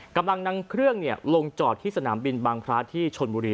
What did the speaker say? กำลังนำเครื่องลงจอดที่สนามบินบางพระที่ชนบุรี